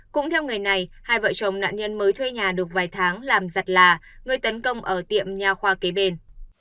cũng theo người này hai vợ chồng nạn nhân mới thuê nhà được vài tháng làm giặt là người tấn công ở tiệm nhà khoa kế bên